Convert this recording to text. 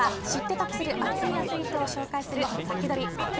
得する熱いアスリートを紹介するサキドリ！